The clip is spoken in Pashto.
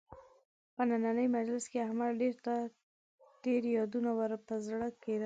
په نننۍ مجلس کې احمد ډېرو ته تېر یادونه ور په زړه کړل.